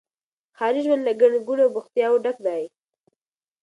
ښاري ژوند له ګڼي ګوڼي او بوختياوو ډک دی.